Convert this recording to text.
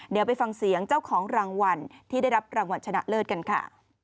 เดี๋ยวไปฟังเสียงเจ้าของรางวัลที่ได้รับรางวัลชนะเลิศกันค่ะ